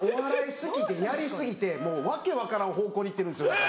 好きでやり過ぎてもう訳分からん方向に行ってるんです。